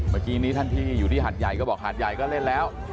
เมื่อกี้นี้ท่านที่อยู่ที่หาดใหญ่ก็บอกหาดใหญ่ก็เล่นแล้ว